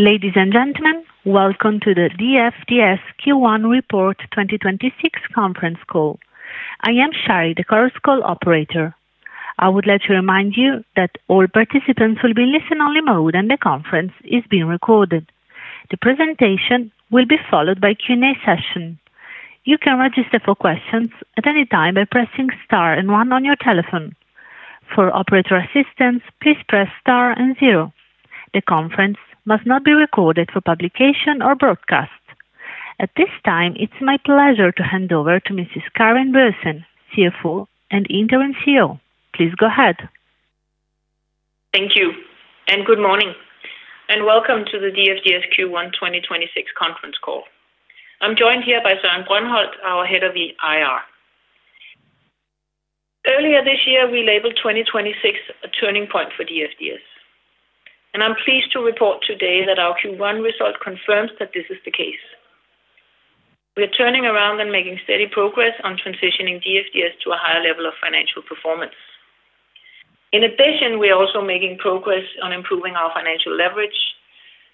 Ladies and gentlemen, welcome to the DFDS Q1 Report 2026 conference call. I am Shari, the conference call operator. I would like to remind you that all participants will be listen only mode, and the conference is being recorded. The presentation will be followed by Q&A session. You can register for questions at any time by pressing star and one on your telephone. For operator assistance, please press star and zero. The conference must not be recorded for publication or broadcast. At this time, it's my pleasure to hand over to Mrs. Karen Boesen, CFO and Interim CEO. Please go ahead. Thank you. Good morning, and welcome to the DFDS Q1 2026 conference call. I'm joined here by Søren Brøndholt Nielsen, our head of IR. Earlier this year, we labeled 2026 a turning point for DFDS. I'm pleased to report today that our Q1 result confirms that this is the case. We are turning around and making steady progress on transitioning DFDS to a higher level of financial performance. In addition, we are also making progress on improving our financial leverage.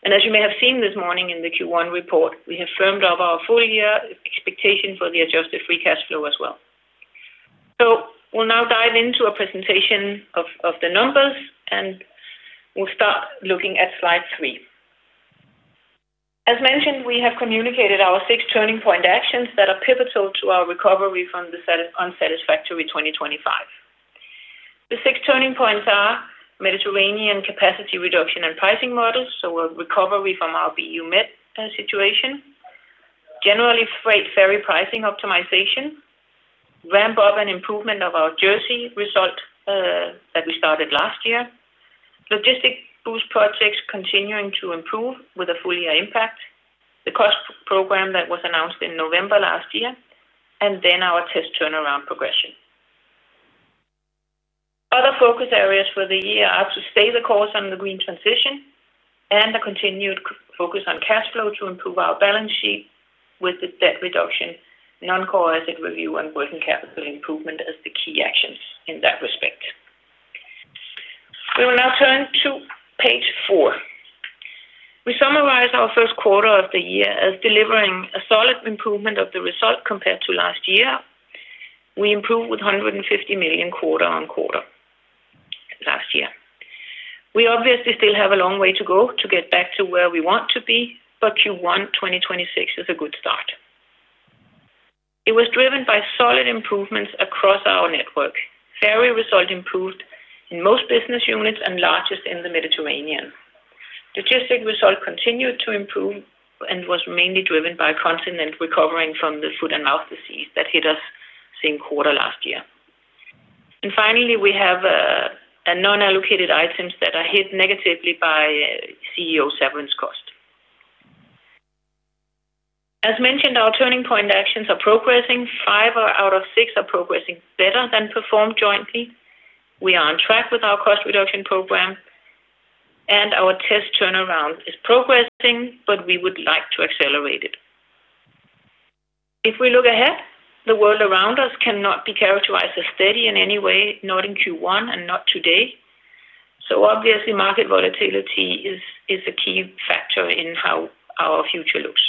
As you may have seen this morning in the Q1 report, we have firmed up our full year expectation for the adjusted free cash flow as well. We'll now dive into a presentation of the numbers, and we'll start looking at slide three. As mentioned, we have communicated our six turning point actions that are pivotal to our recovery from the unsatisfactory 2025. The six turning points are Mediterranean capacity reduction and pricing models, so a recovery from our BU Med situation. Generally, freight ferry pricing optimization. Ramp up an improvement of our Jersey result that we started last year. Logistic Boost projects continuing to improve with a full year impact. The cost program that was announced in November last year, our TES turnaround progression. Other focus areas for the year are to stay the course on the green transition and a continued focus on cash flow to improve our balance sheet with the debt reduction, non-core asset review and working capital improvement as the key actions in that respect. We will now turn to page four. We summarize our first quarter of the year as delivering a solid improvement of the result compared to last year. We improved with 150 million quarter-on-quarter last year. We obviously still have a long way to go to get back to where we want to be, but Q1 2026 is a good start. It was driven by solid improvements across our network. Ferry result improved in most business units and largest in the Mediterranean. Logistics result continued to improve and was mainly driven by continent recovering from the foot-and-mouth disease that hit us same quarter last year. Finally, we have a non-allocated items that are hit negatively by CEO severance cost. As mentioned, our turning point actions are progressing. Five out of six are progressing better than performed jointly. We are on track with our cost reduction program, and our TES turnaround is progressing, but we would like to accelerate it. If we look ahead, the world around us cannot be characterized as steady in any way, not in Q1 and not today. Obviously, market volatility is a key factor in how our future looks.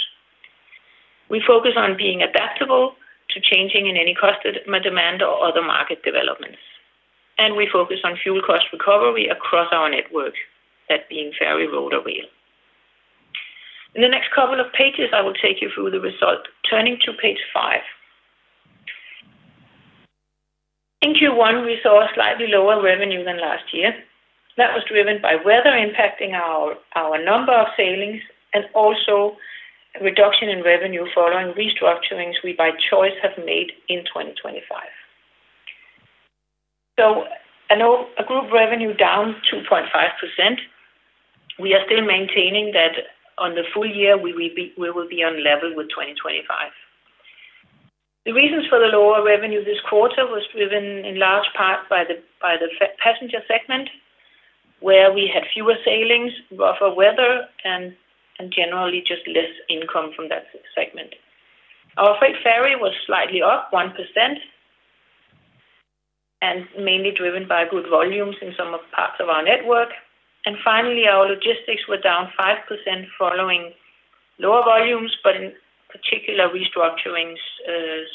We focus on being adaptable to changing in any cost, demand or other market developments. We focus on fuel cost recovery across our network, that being ferry, road, or rail. In the next couple of pages, I will take you through the result. Turning to page five. In Q1, we saw a slightly lower revenue than last year. That was driven by weather impacting our number of sailings and also reduction in revenue following restructurings we by choice have made in 2025. A group revenue down 2.5%. We are still maintaining that on the full year we will be on level with 2025. The reasons for the lower revenue this quarter was driven in large part by the Passenger segment, where we had fewer sailings, rougher weather, and generally just less income from that segment. Our freight ferry was slightly up 1% mainly driven by good volumes in some of parts of our network. Finally, our logistics were down 5% following lower volumes, but in particular restructurings,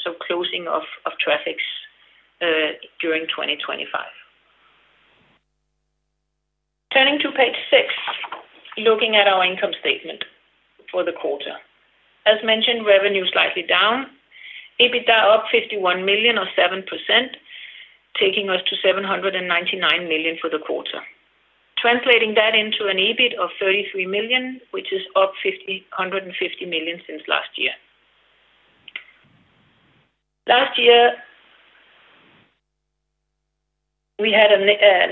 so closing of traffics during 2025. Turning to page six, looking at our income statement for the quarter. As mentioned, revenue slightly down. EBITDA up 51 million or 7%, taking us to 799 million for the quarter. Translating that into an EBIT of 33 million, which is up 150 million since last year. Last year, we had a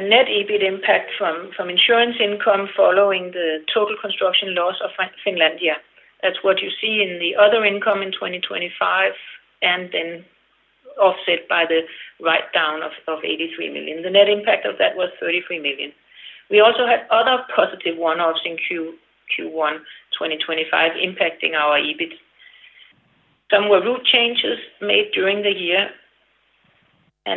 net EBIT impact from insurance income following the total construction loss of Finlandia Seaways. That's what you see in the other income in 2025 and then offset by the write down of 83 million. The net impact of that was 33 million. We also had other positive one-offs in Q1 2025 impacting our EBIT. Some were route changes made during the year.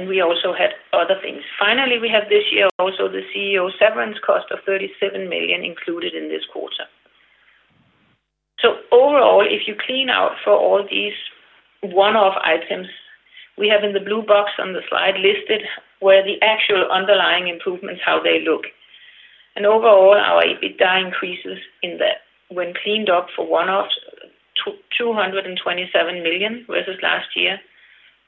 We also had other things. Finally, we have this year also the CEO severance cost of 37 million included in this quarter. Overall, if you clean out for all these one-off items, we have in the blue box on the slide listed where the actual underlying improvements, how they look. Overall, our EBITDA increases in that when cleaned up for one-off 227 million versus last year.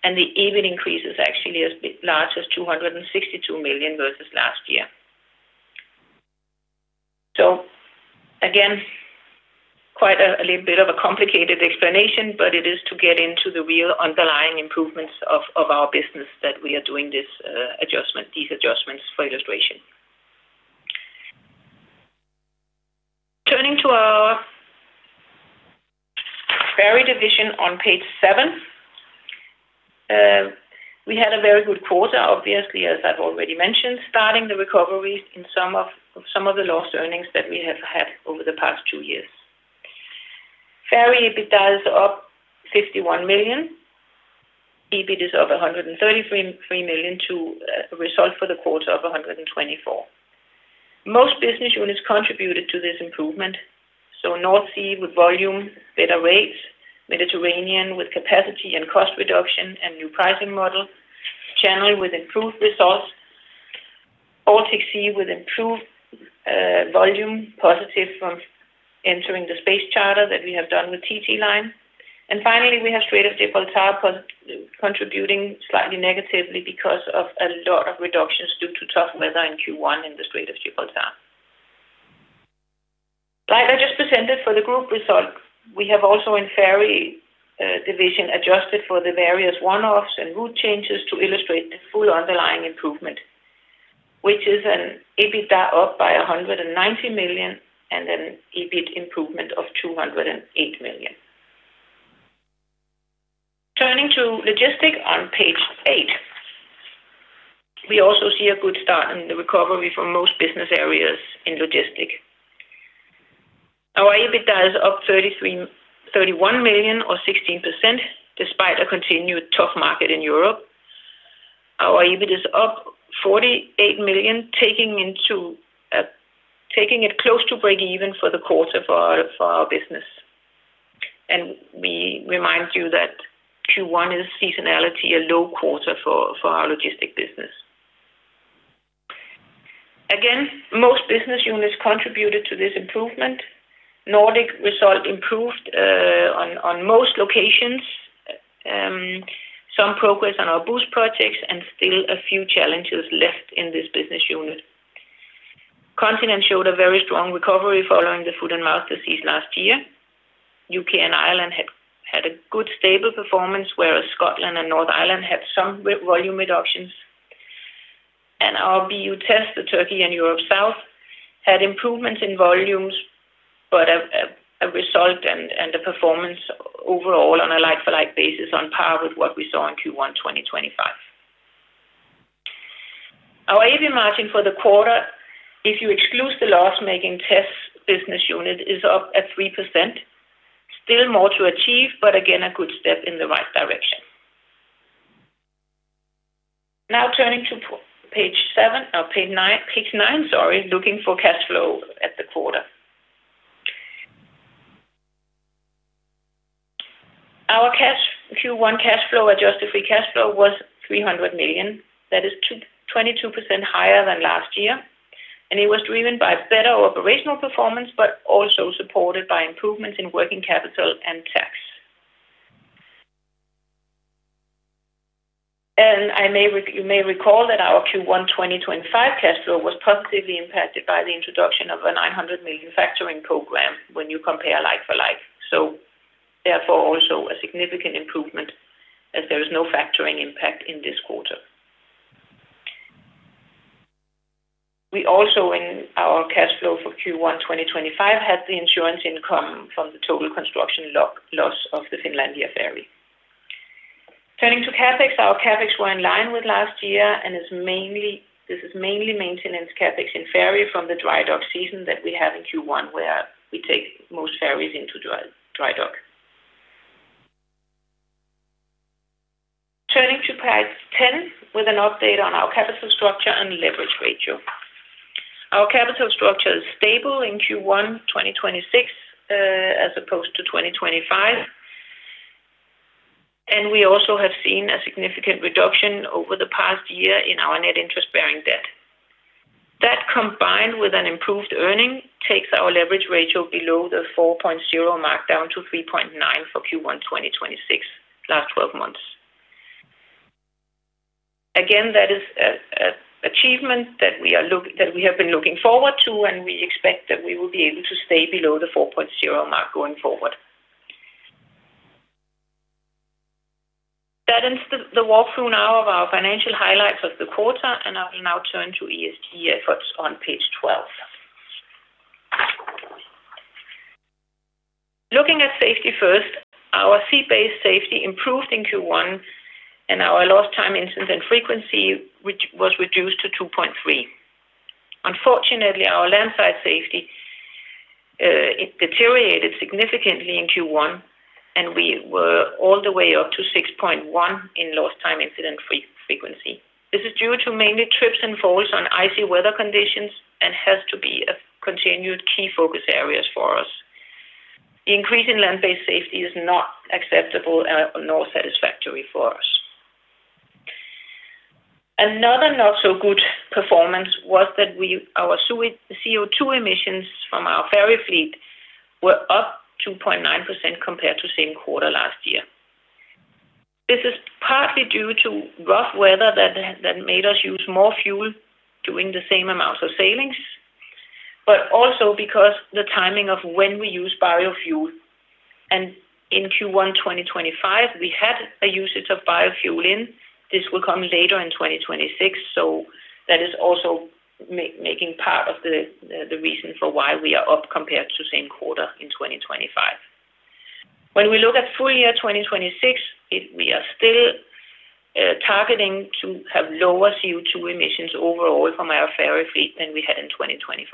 The EBIT increases actually as large as 262 million versus last year. Again, quite a little bit of a complicated explanation, but it is to get into the real underlying improvements of our business that we are doing this adjustment, these adjustments for illustration. Turning to our Ferry division on page seven. We had a very good quarter, obviously, as I've already mentioned, starting the recoveries in some of the lost earnings that we have had over the past two years. Ferry EBITDA is up 51 million. EBIT is up 133 million to a result for the quarter of 124. Most business units contributed to this improvement. North Sea with volume, better rates, Mediterranean with capacity and cost reduction, and new pricing model. Channel with improved results. Baltic Sea with improved volume, positive from entering the space charter that we have done with TT-Line. Finally, we have Strait of Gibraltar contributing slightly negatively because of a lot of reductions due to tough weather in Q1 in the Strait of Gibraltar. Like I just presented for the group result, we have also in Ferry division adjusted for the various one-offs and route changes to illustrate the full underlying improvement, which is an EBITDA up by 190 million and an EBIT improvement of 208 million. Turning to Logistic on page eight. We also see a good start in the recovery for most business areas in Logistic. Our EBITDA is up 31 million or 16%, despite a continued tough market in Europe. Our EBIT is up 48 million, taking it close to breakeven for the quarter for our business. We remind you that Q1 is seasonality, a low quarter for our Logistic business. Again, most business units contributed to this improvement. Nordic result improved on most locations. Some progress on our Logistic Boost projects and still a few challenges left in this business unit. Continent showed a very strong recovery following the foot-and-mouth disease last year. U.K. and Ireland had a good, stable performance, whereas Scotland and North Ireland had some volume reductions. Our BU TES, the Türkiye and Europe South, had improvements in volumes, but a result and a performance overall on a like-for-like basis on par with what we saw in Q1 2025. Our EBIT margin for the quarter, if you exclude the loss-making TES business unit, is up at 3%. Still more to achieve, again, a good step in the right direction. Turning to page nine, looking for cash flow at the quarter. Our cash, Q1 cash flow, adjusted free cash flow was 300 million. That is 22% higher than last year. It was driven by better operational performance, but also supported by improvements in working capital and tax. I may recall that our Q1 2025 cash flow was positively impacted by the introduction of a 900 million factoring program when you compare like-for-like. Therefore, also a significant improvement as there is no factoring impact in this quarter. We also, in our cash flow for Q1 2025, had the insurance income from the total construction loss of the Finlandia ferry. Turning to CapEx, our CapEx were in line with last year and is mainly maintenance CapEx in Ferry from the dry dock season that we have in Q1 where we take most ferries into dry dock. Turning to page 10 with an update on our capital structure and leverage ratio. Our capital structure is stable in Q1 2026 as opposed to 2025. We also have seen a significant reduction over the past year in our net interest-bearing debt. That combined with an improved earnings, takes our leverage ratio below the 4.0 mark down to 3.9 for Q1 2026, last 12 months. Again, that is a achievement that we have been looking forward to, and we expect that we will be able to stay below the 4.0 mark going forward. That ends the walkthrough now of our financial highlights of the quarter, and I will now turn to ESG efforts on page 12. Looking at safety first, our fee-based safety improved in Q1, and our lost time incident frequency, which was reduced to 2.3. Unfortunately, our land site safety, it deteriorated significantly in Q1, and we were all the way up to 6.1 in lost time incident frequency. This is due to mainly trips and falls on icy weather conditions and has to be a continued key focus areas for us. Increase in land-based safety is not acceptable, nor satisfactory for us. Another not so good performance was that our CO2 emissions from our ferry fleet were up 2.9% compared to same quarter last year. This is partly due to rough weather that made us use more fuel doing the same amounts of sailings, but also because the timing of when we use biofuel. In Q1, 2025, we had a usage of biofuel. This will come later in 2026, so that is also making part of the reason for why we are up compared to same quarter in 2025. When we look at full year 2026, we are still targeting to have lower CO2 emissions overall from our ferry fleet than we had in 2025.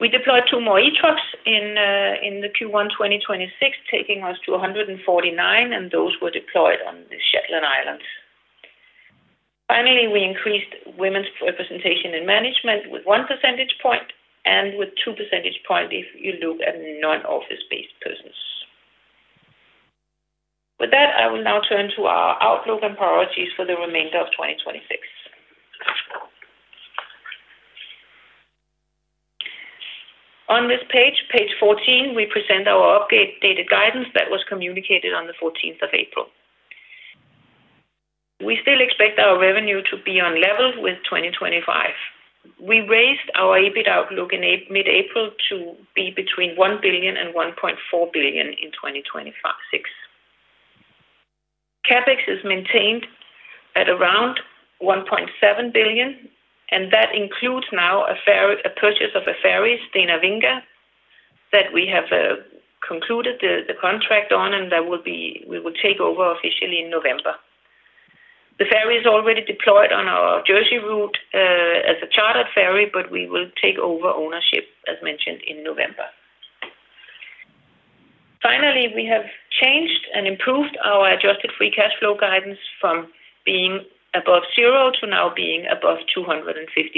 We deployed two more e-trucks in Q1, 2026, taking us to 149, and those were deployed on the Shetland Islands. Finally, we increased women's representation in management with 1 percentage point and with 2 percentage point if you look at non-office based persons. With that, I will now turn to our outlook and priorities for the remainder of 2026. On this page 14, we present our updated guidance that was communicated on the 14th of April. We still expect our revenue to be on level with 2025. We raised our EBIT outlook in mid-April to be between 1 billion and 1.4 billion in 2026. CapEx is maintained at around 1.7 billion, and that includes now a purchase of a ferry, Stena Vinga, that we have concluded the contract on, and we will take over officially in November. The ferry is already deployed on our Jersey route as a chartered ferry, but we will take over ownership, as mentioned, in November. Finally, we have changed and improved our adjusted free cash flow guidance from being above 0 to now being above 250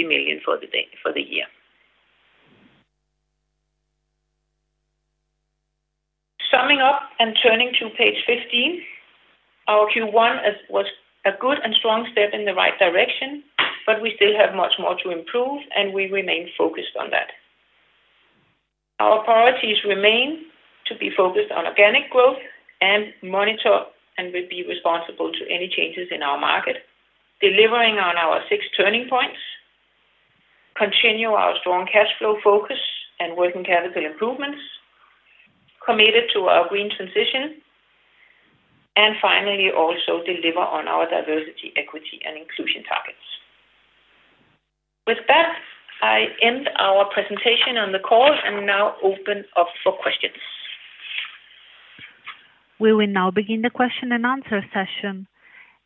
million for the year. Summing up and turning to page 15, our Q1 was a good and strong step in the right direction, but we still have much more to improve, and we remain focused on that. Our priorities remain to be focused on organic growth and monitor and be responsible to any changes in our market. Delivering on our six turning points, continue our strong cash flow focus and working capital improvements, committed to our green transition, and finally, also deliver on our diversity, equity, and inclusion targets. With that, I end our presentation on the call and now open up for questions. We will now begin the question and answer session.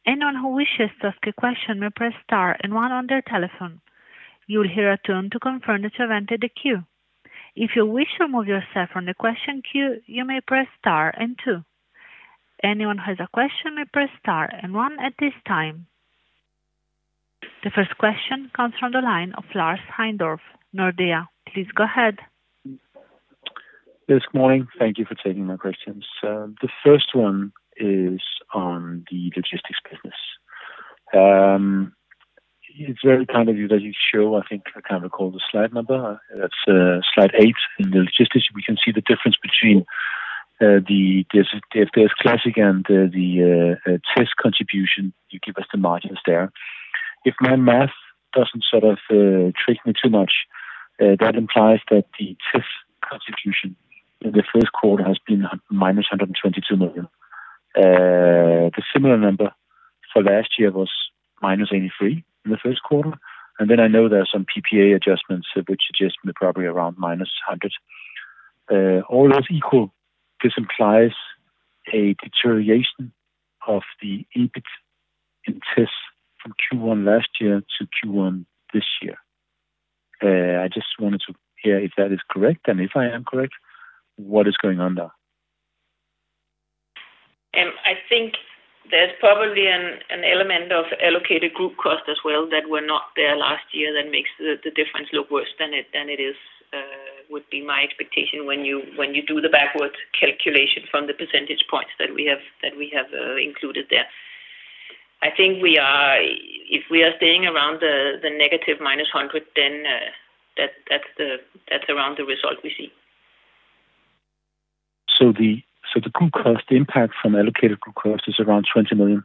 Anyone who wishes to ask a question may press star and one on their telephone. You will hear a tone to confirm that you have entered the queue. If you wish to remove yourself from the question queue, you may press star and two. Anyone who has a question may press star and one at this time. The first question comes from the line of Lars Heindorff, Nordea. Please go ahead. Yes, good morning. Thank you for taking my questions. The first one is on the logistics business. It's very kind of you that you show, I think, I can't recall the slide number. That's slide eight. In the logistics, we can see the difference between DFDS and the TES contribution. You give us the margins there. If my math doesn't sort of trick me too much, that implies that the TES contribution in the first quarter has been minus 122 million. The similar number for last year was minus 83 million in the first quarter. I know there are some PPA adjustments which adjust maybe probably around minus 100 million. All those equal, this implies a deterioration of the EBIT interest from Q1 last year to Q1 this year. I just wanted to hear if that is correct, and if I am correct, what is going on there? I think there's probably an element of allocated group cost as well that were not there last year that makes the difference look worse than it is, would be my expectation when you, when you do the backwards calculation from the percentage points that we have included there. I think If we are staying around the negative minus 100, then that's the, that's around the result we see. The group cost impact from allocated group cost is around 20 million?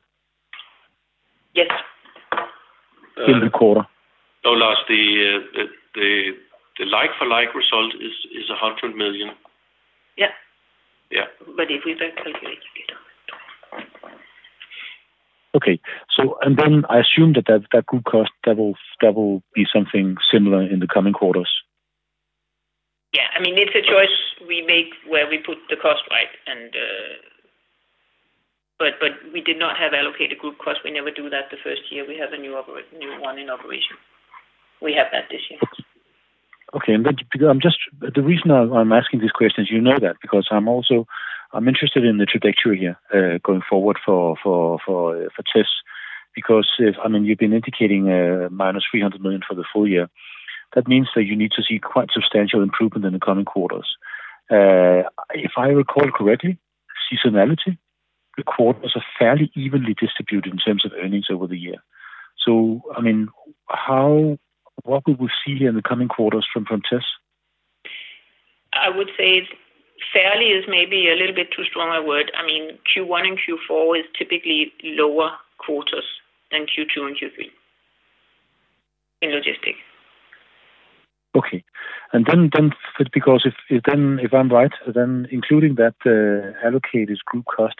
Yes. In the quarter. No, Lars, the like for like result is 100 million. Yeah. Yeah. If we don't calculate it later. Okay. I assume that group cost, that will be something similar in the coming quarters? I mean, it's a choice we make where we put the cost right. We did not have allocated group cost. We never do that the first year we have a new one in operation. We have that this year. Okay, because the reason I'm asking these questions, you know that, because I'm interested in the trajectory here, going forward for TES. If, I mean, you've been indicating, minus 300 million for the full year, that means that you need to see quite substantial improvement in the coming quarters. If I recall correctly, seasonality, the quarters are fairly evenly distributed in terms of earnings over the year. I mean, what will we see here in the coming quarters from TES? I would say fairly is maybe a little bit too strong a word. I mean, Q1 and Q4 is typically lower quarters than Q2 and Q3 in logistics. Okay, because if then, if I'm right, then including that allocated group cost,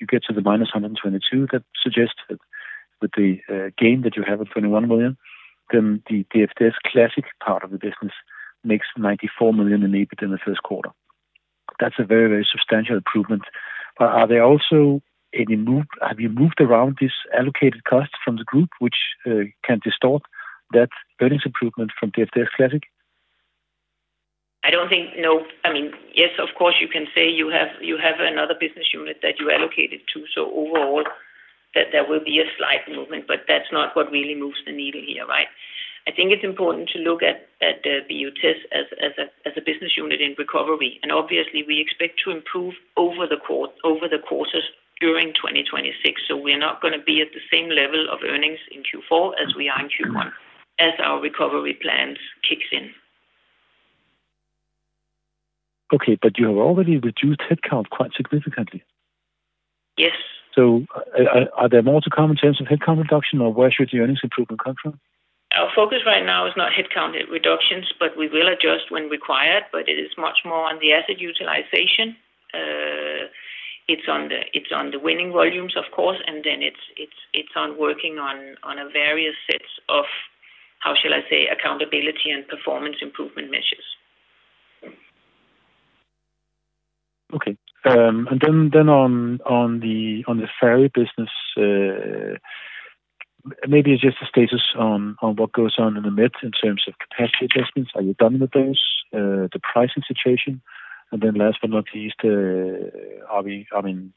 you get to the minus 122. That suggests that with the gain that you have of 21 million, then the DFDS part of the business makes 94 million in EBIT in the first quarter. That's a very, very substantial improvement. Have you moved around this allocated cost from the group which can distort that earnings improvement from DFDS? I don't think No. I mean, yes, of course, you can say you have another business unit that you allocated to, overall that there will be a slight movement, but that's not what really moves the needle here, right? I think it's important to look at TES as a business unit in recovery. Obviously we expect to improve over the courses during 2026. We're not gonna be at the same level of earnings in Q4 as we are in Q1. Okay. as our recovery plans kicks in. Okay, you have already reduced headcount quite significantly. Yes. Are there more to come in terms of headcount reduction or where should the earnings improvement come from? Our focus right now is not headcount reductions, but we will adjust when required. It is much more on the asset utilization. It's on the winning volumes, of course. It's on working on a various sets of, how shall I say, accountability and performance improvement measures. Okay. Then on the ferry business, maybe just a status on what goes on in the Med in terms of capacity adjustments. Are you done with those? The pricing situation? Last but not least, I mean,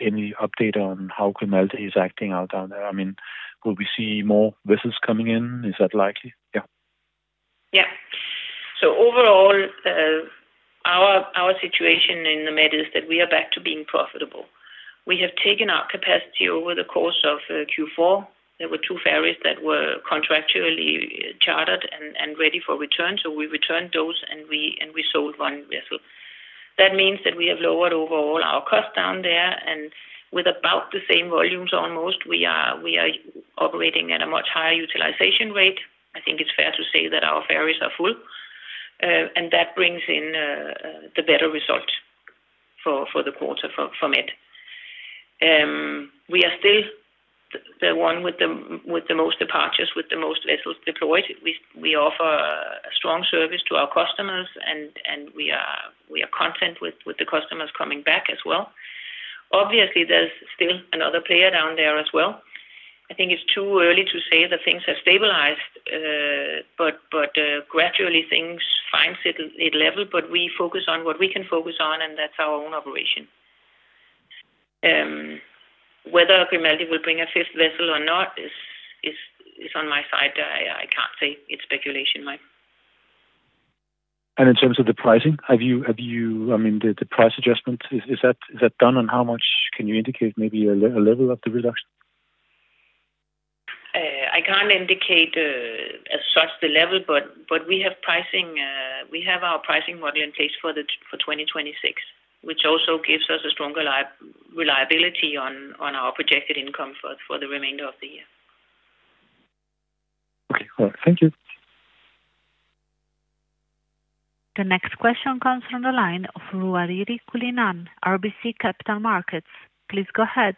any update on how Grimaldi is acting out down there? I mean, will we see more vessels coming in? Is that likely? Overall, our situation in the Med is that we are back to being profitable. We have taken our capacity over the course of Q4. There were two ferries that were contractually chartered and ready for return. We returned those, and we sold one vessel. That means that we have lowered overall our cost down there, and with about the same volumes almost, we are operating at a much higher utilization rate. I think it's fair to say that our ferries are full. That brings in the better result for the quarter from it. We are still the one with the most departures, with the most vessels deployed. We offer a strong service to our customers and we are content with the customers coming back as well. Obviously, there's still another player down there as well. I think it's too early to say that things have stabilized, but gradually things finds it level, but we focus on what we can focus on, and that's our own operation. Whether Grimaldi will bring a fifth vessel or not is on my side. I can't say. It's speculation, Lars. In terms of the pricing, have you I mean, the price adjustment, is that done? How much can you indicate maybe a level of the reduction? I can't indicate as such the level, but we have pricing, we have our pricing model in place for 2026, which also gives us a stronger reliability on our projected income for the remainder of the year. Okay. All right. Thank you. The next question comes from the line of Ruairidh Cullinane, RBC Capital Markets. Please go ahead.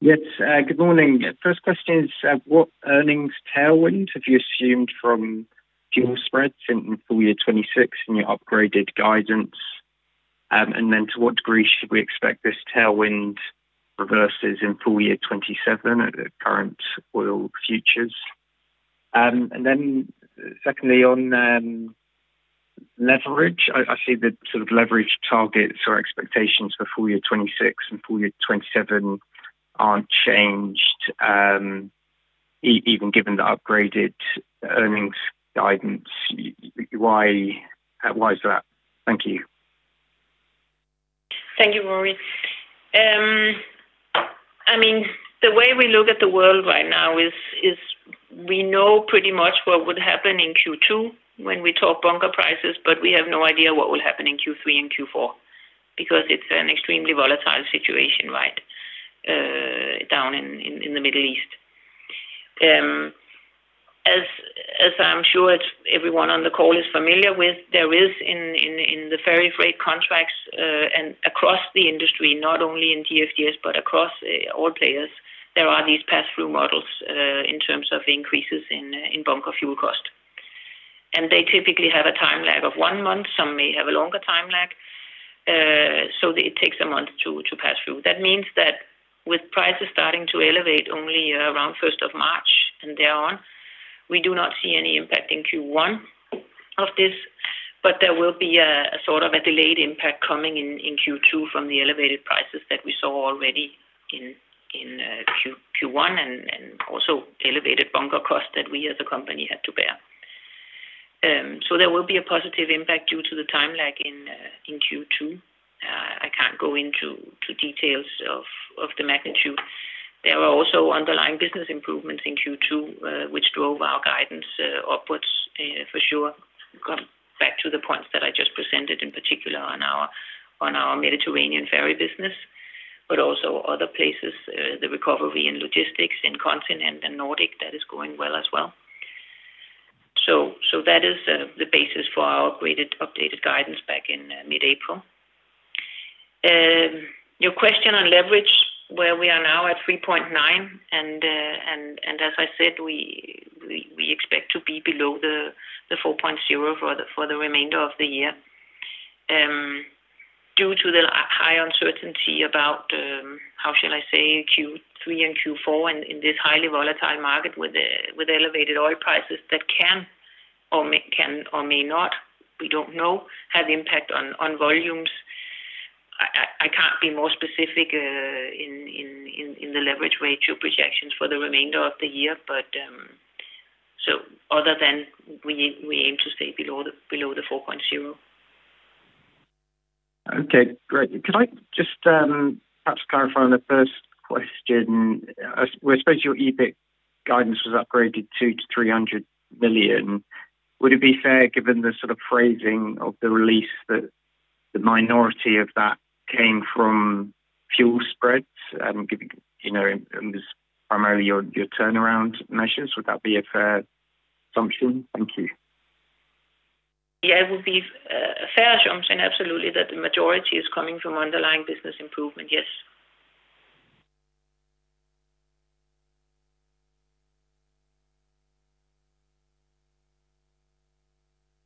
Yes, good morning. First question is, what earnings tailwind have you assumed from fuel spreads in full year 2026 in your upgraded guidance? To what degree should we expect this tailwind reverses in full year 2027 at the current oil futures? Secondly, on leverage, I see the sort of leverage targets or expectations for full year 2026 and full year 2027 aren't changed, even given the upgraded earnings guidance. Why is that? Thank you. Thank you, Ruairidh. I mean, the way we look at the world right now is we know pretty much what would happen in Q2 when we talk bunker prices, but we have no idea what will happen in Q3 and Q4 because it's an extremely volatile situation, right, down in the Middle East. As I'm sure everyone on the call is familiar with, there is in the ferry freight contracts, and across the industry, not only in DFDS but across all players, there are these pass-through models in terms of increases in bunker fuel cost. They typically have a time lag of one month. Some may have a longer time lag, so it takes a month to pass through. That means that with prices starting to elevate only around 1st of March and thereon, we do not see any impact in Q1 of this. There will be a, sort of a delayed impact coming in Q2 from the elevated prices that we saw already in Q1 and also elevated bunker costs that we as a company had to bear. There will be a positive impact due to the time lag in Q2. I can't go into details of the magnitude. There are also underlying business improvements in Q2, which drove our guidance upwards for sure. Going back to the points that I just presented in particular on our Mediterranean ferry business, also other places, the recovery in logistics in Continent and Nordic, that is going well as well. That is the basis for our upgraded, updated guidance back in mid-April. Your question on leverage, where we are now at 3.9, and as I said, we expect to be below the 4.0 for the remainder of the year. Due to the high uncertainty about how shall I say, Q3 and Q4 in this highly volatile market with elevated oil prices that can or may not, we don't know, have impact on volumes. I can't be more specific in the leverage ratio projections for the remainder of the year. Other than we aim to stay below the 4.0. Okay, great. Could I just, perhaps clarify on the first question? We're supposed your EBIT guidance was upgraded 200 million-300 million. Would it be fair, given the sort of phrasing of the release that the minority of that came from fuel spreads, giving, you know, and was primarily your turnaround measures? Would that be a fair assumption? Thank you. Yeah. It would be a fair assumption, absolutely, that the majority is coming from underlying business improvement. Yes.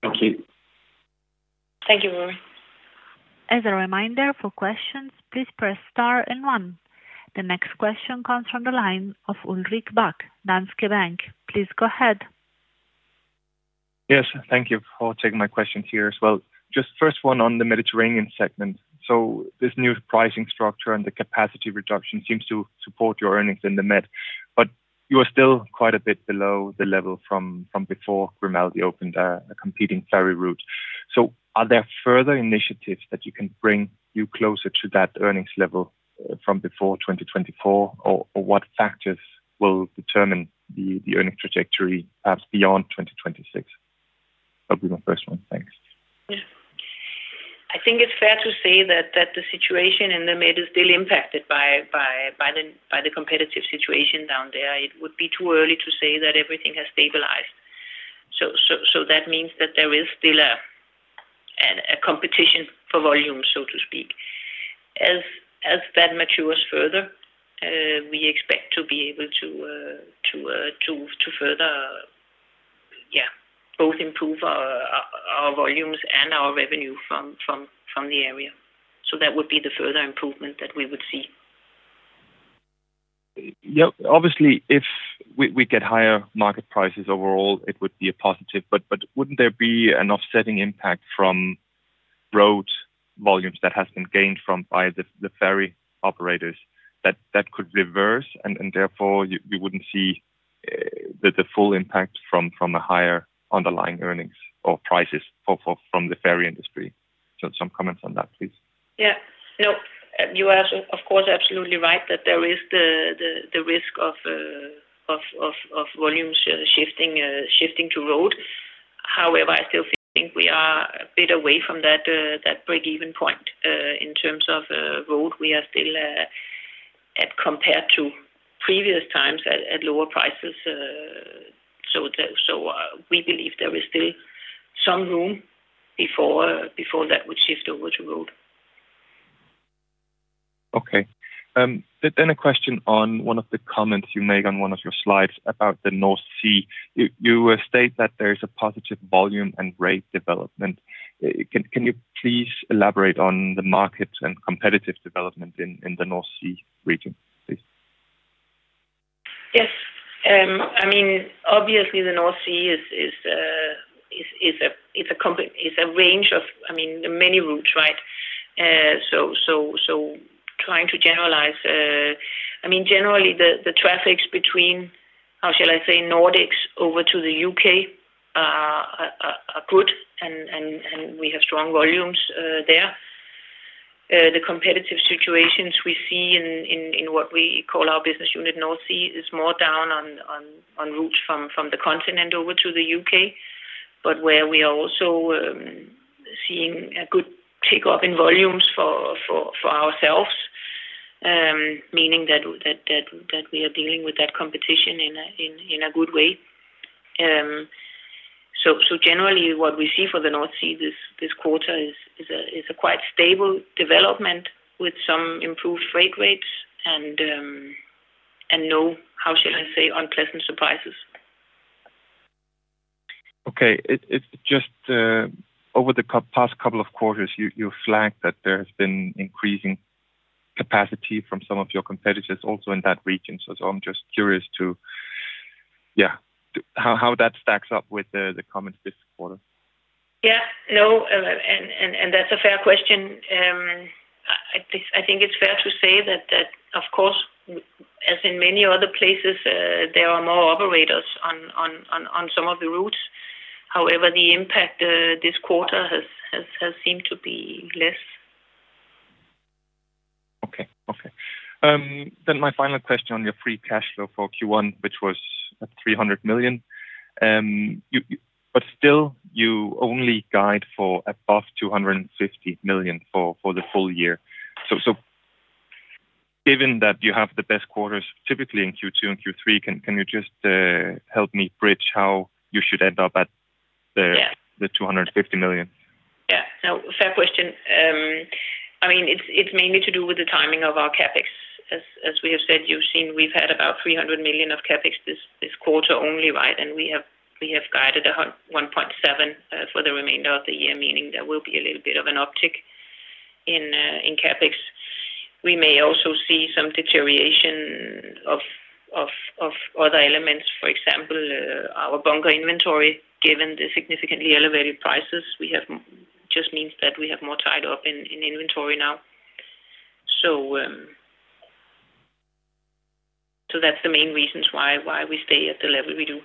Thank you. Thank you, Ruairidh. As a reminder, for questions, please press star and one. The next question comes from the line of Ulrik Bak, Danske Bank. Please go ahead. Yes, thank you for taking my questions here as well. Just first one on the Mediterranean segment. This new pricing structure and the capacity reduction seems to support your earnings in the Med, but you are still quite a bit below the level from before Grimaldi opened a competing ferry route. Are there further initiatives that you can bring you closer to that earnings level from before 2024? What factors will determine the earnings trajectory perhaps beyond 2026? That'll be my first one. Thanks. Yeah. I think it's fair to say that the situation in the Med is still impacted by the competitive situation down there. It would be too early to say that everything has stabilized. That means that there is still a competition for volume, so to speak. As that matures further, we expect to be able to further, yeah, both improve our volumes and our revenue from the area. That would be the further improvement that we would see. Yeah. Obviously, if we get higher market prices overall, it would be a positive. Wouldn't there be an offsetting impact from road volumes that has been gained from by the ferry operators that could reverse and therefore we wouldn't see the full impact from a higher underlying earnings or prices for from the ferry industry? Some comments on that, please. Yeah. No, you are of course absolutely right that there is the risk of volumes shifting to road. However, I still think we are a bit away from that break-even point in terms of road. We are still at compared to previous times at lower prices. We believe there is still some room before that would shift over to road. Okay. A question on one of the comments you made on one of your slides about the North Sea. You state that there is a positive volume and rate development. Can you please elaborate on the market and competitive development in the North Sea region, please? Yes. I mean, obviously the North Sea is a range of, I mean, many routes, right? Trying to generalize, I mean, generally the traffics between, how shall I say, Nordics over to the U.K., are good and we have strong volumes there. The competitive situations we see in what we call our business unit North Sea is more down on routes from the continent over to the U.K. Where we are also seeing a good pickup in volumes for ourselves, meaning that we are dealing with that competition in a good way. So generally what we see for the North Sea this quarter is a quite stable development with some improved freight rates and, you know, how shall I say, unpleasant surprises. Okay. It's just over the past couple of quarters, you flagged that there has been increasing capacity from some of your competitors also in that region. I'm just curious to how that stacks up with the comments this quarter. Yeah. No, that's a fair question. I think it's fair to say that of course, as in many other places, there are more operators on some of the routes. However, the impact this quarter has seemed to be less. Okay. Okay. My final question on your free cash flow for Q1, which was at 300 million. Still you only guide for above 250 million for the full year. Given that you have the best quarters typically in Q2 and Q3, can you just help me bridge how you should end up at the Yeah. the 250 million? Yeah. No. Fair question. I mean, it's mainly to do with the timing of our CapEx. As we have said, you've seen we've had about 300 million of CapEx this quarter only, right? We have guided 1.7 for the remainder of the year, meaning there will be a little bit of an uptick in CapEx. We may also see some deterioration of other elements. For example, our bunker inventory, given the significantly elevated prices we have, just means that we have more tied up in inventory now. That's the main reasons why we stay at the level we do.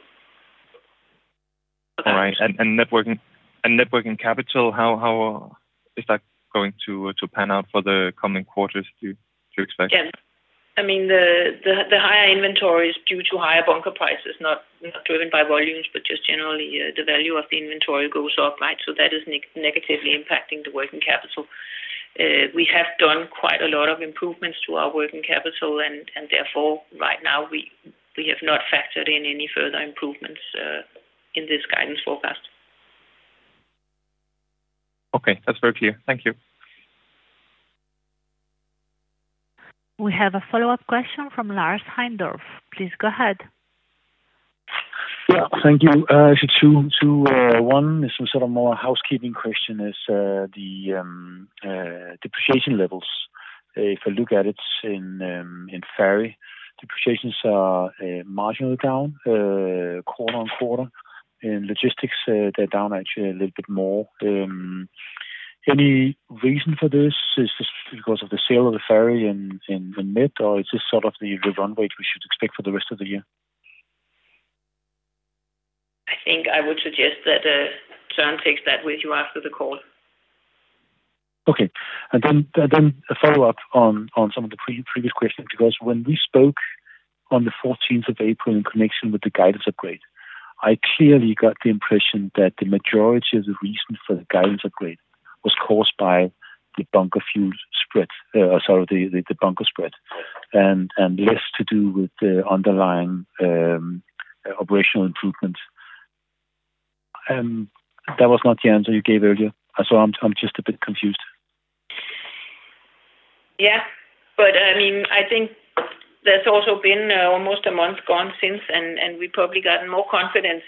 All right. Net working capital, how is that going to pan out for the coming quarters do you expect? Yeah. I mean, the higher inventory is due to higher bunker prices, not driven by volumes, but just generally, the value of the inventory goes up, right? That is negatively impacting the working capital. We have done quite a lot of improvements to our working capital and therefore right now we have not factored in any further improvements in this guidance forecast. Okay, that's very clear. Thank you. We have a follow-up question from Lars Heindorff. Please go ahead. Thank you. Two, one is some sort of more housekeeping question is the depreciation levels. If I look at it in ferry, depreciations are marginally down quarter-on-quarter. In logistics, they're down actually a little bit more. Any reason for this? Is this because of the sale of the ferry in the BU Med or is this sort of the run rate we should expect for the rest of the year? I think I would suggest that Søren takes that with you after the call. Okay. Then a follow-up on some of the pre-previous questions, when we spoke on the 14th of April in connection with the guidance upgrade, I clearly got the impression that the majority of the reason for the guidance upgrade was caused by the bunker fuel spread, sorry, the bunker spread and less to do with the underlying operational improvements. That was not the answer you gave earlier. I'm just a bit confused. Yeah. I mean, I think there's also been almost a month gone since, and we've probably gotten more confidence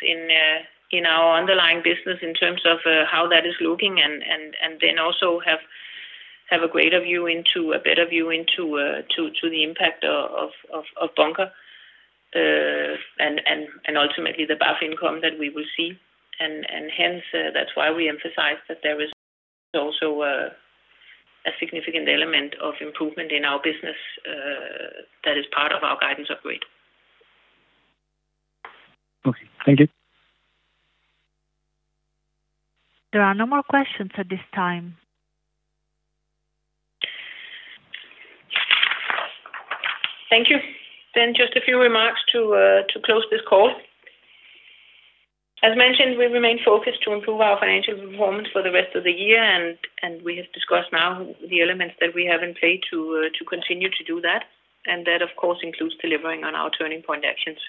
in our underlying business in terms of how that is looking and then also have a greater view into, a better view into the impact of bunker. Ultimately the BAF income that we will see. Hence, that's why we emphasize that there is also a significant element of improvement in our business that is part of our guidance upgrade. Okay. Thank you. There are no more questions at this time. Thank you. Just a few remarks to close this call. As mentioned, we remain focused to improve our financial performance for the rest of the year, and we have discussed now the elements that we have in play to continue to do that. That of course includes delivering on our turning point actions.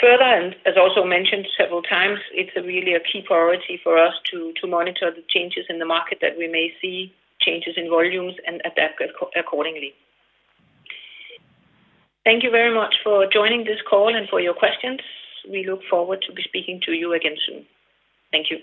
Further, as also mentioned several times, it's really a key priority for us to monitor the changes in the market that we may see, changes in volumes and adapt accordingly. Thank you very much for joining this call and for your questions. We look forward to be speaking to you again soon. Thank you.